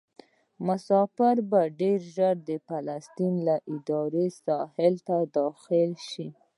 مسافر به ډېر ژر د فلسطیني ادارې ساحې ته داخلیږي.